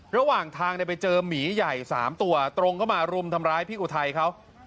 ระหว่างทางไปเจอหมีใหญ่๓ตัวตรงเข้ามารุมทำร้ายพี่อุทัยเขา